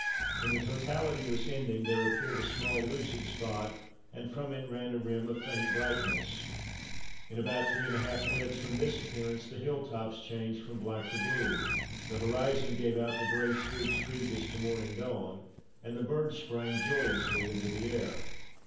When the totality was ending there appeared a small lucid spot, and from it ran a rim of faint brightness. In about 3½ minutes from this appearance the hill tops changed from black to blue, the horizon gave out the grey streaks previous to morning dawn, and the birds sprang joyously into the air.